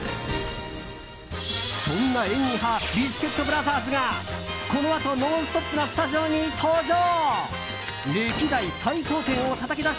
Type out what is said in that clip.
そんな演技派ビスケットブラザーズがこのあと、「ノンストップ！」のスタジオに登場。